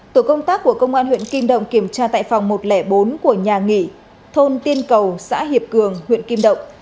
tổ công tác của công an huyện kim động kiểm tra tại phòng một trăm linh bốn của nhà nghỉ thôn tiên cầu xã hiệp cường huyện kim động